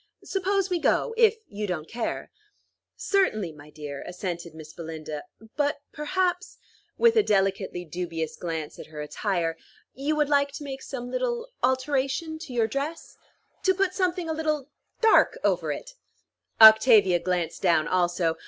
"Suppose we go if you don't care." "Certainly, my dear," assented Miss Belinda. "But perhaps," with a delicately dubious glance at her attire, "you would like to make some little alteration in your dress to put something a little dark over it." Octavia glanced down also.